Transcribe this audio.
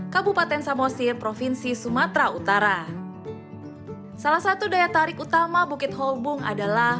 kabupaten samosir provinsi sumatera utara salah satu daya tarik utama bukit holbung adalah